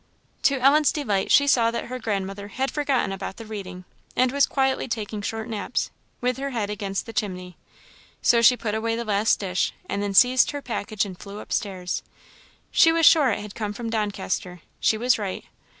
To Ellen's delight, she saw that her grandmother had forgotten about the reading, and was quietly taking short naps, with her head against the chimney. So she put away the last dish, and then seized her package and flew up stairs. She was sure it had come from Doncaster; she was right.